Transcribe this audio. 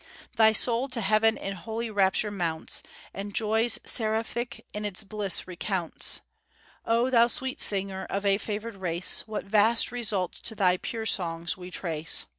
Thy soul to heaven in holy rapture mounts, And joys seraphic in its bliss recounts. O thou sweet singer of a favored race, What vast results to thy pure songs we trace!